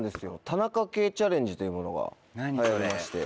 「田中圭チャレンジ」というものが流行りまして。